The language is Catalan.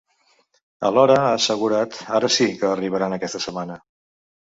Alhora, ha assegurat, ara sí, que arribaran aquesta setmana.